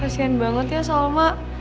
kasian banget ya salma